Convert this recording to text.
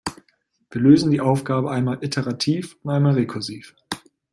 Wir lösen die Aufgabe einmal iterativ und einmal rekursiv.